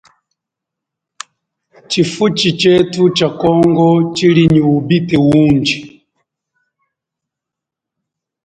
Tshifuchi tshetu tsha congo tshili nyi ubite undji.